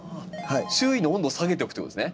周囲の温度を下げておくということですね？